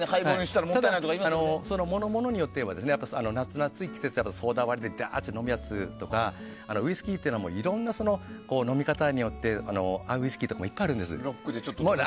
ただ、ものによっては夏の暑い季節はソーダ割りで飲むやつとかウイスキーっていうのもいろんな飲み方によって合うウイスキーとかもいっぱいあるんです。